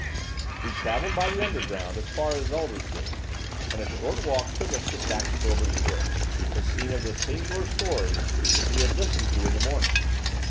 We travelled by the Underground as far as Aldersgate; and a short walk took us to Saxe Coburg Square, the scene of the singular story which we had listened to in the morning.